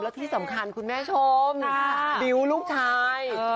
และที่สำคัญคุณผู้ชมบิวต์ลูกชาย